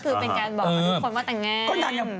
คือเป็นการบอกกับทุกคนว่าแต่งงาน